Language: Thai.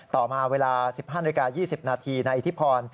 ต่อมาเวลา๑๕นาที๒๐นาทีในอิทธิพร